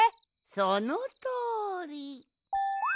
そのとおり。